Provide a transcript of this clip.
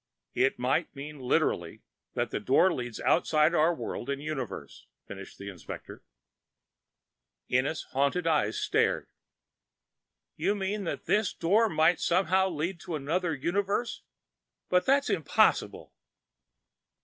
"It might mean, literally, that the Door leads outside our world and universe," finished the inspector. Ennis' haunted eyes stared. "You mean that this Door might somehow lead into another universe? But that's impossible!"